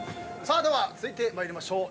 では続いて参りましょう。